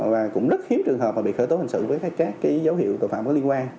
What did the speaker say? và cũng rất hiếm trường hợp bị khởi tố hình sự với các dấu hiệu tội phạm liên quan